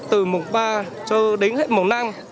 từ mùng ba cho đến hết mùng năm